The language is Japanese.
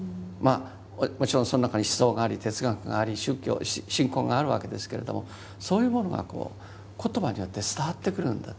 もちろんその中に思想があり哲学があり宗教信仰があるわけですけれどもそういうものが言葉によって伝わってくるんだと。